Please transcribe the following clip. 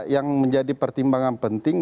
yang menjadi pertimbangan penting